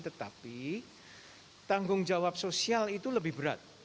tetapi tanggung jawab sosial itu lebih berat